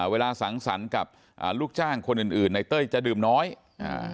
สังสรรค์กับอ่าลูกจ้างคนอื่นอื่นในเต้ยจะดื่มน้อยอ่า